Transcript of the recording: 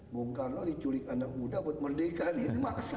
bung karno diculik anak muda buat merdeka ini maksa